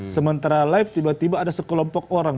sementara live tiba tiba ada sekelompok orang